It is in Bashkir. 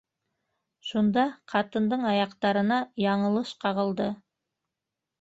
Шунда ҡатындың аяҡтарына яңылыш ҡағылды.